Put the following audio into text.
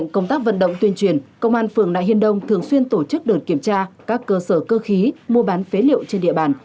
công an phường nại hiên đông thường xuyên tổ chức đợt kiểm tra các cơ sở cơ khí mua bán phế liệu trên địa bàn